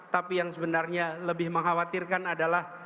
tapi yang sebenarnya lebih mengkhawatirkan adalah